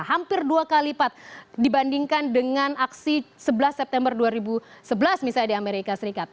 hampir dua kali lipat dibandingkan dengan aksi sebelas september dua ribu sebelas misalnya di amerika serikat